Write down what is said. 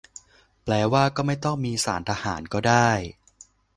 แปลว่าก็ไม่ต้องมีศาลทหารก็ได้ ?